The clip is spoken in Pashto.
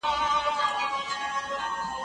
زه اوبه نه پاکوم،